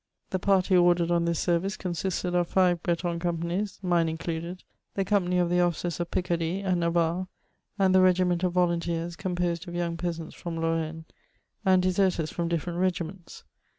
The party ordered on this service consisted of five Breton companies, mine included^ the company of the oflficers of Picardy and Navarre, and the regiment of volunteers, composed of young peasants from Lorraine, and deserters from different re^ments.